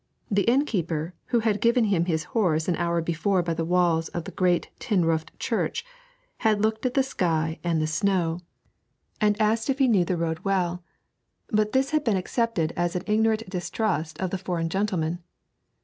The innkeeper, who had given him his horse an hour before by the walls of the great tin roofed church, had looked at the sky and the snow, and asked if he knew the road well; but this had been accepted as an ignorant distrust of the foreign gentleman.